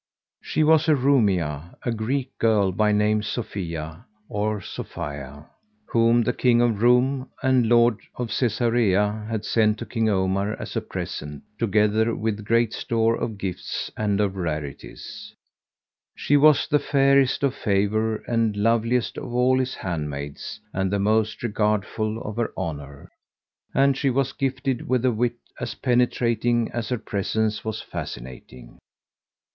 She was a Roumiyah, a Greek girl, by name Sofiyah or Sophia,[FN#145] whom the King of Roum and Lord of Cæsarea had sent to King Omar as a present, together with great store of gifts and of rarities: she was the fairest of favour and loveliest of all his handmaids and the most regardful of her honour; and she was gifted with a wit as penetrating as her presence was fascinating.